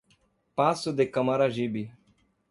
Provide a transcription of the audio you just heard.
Passo de Camaragibe